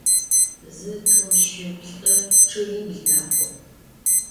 Zı, t'u, şı, plh'ı … ççıgibl mexhu.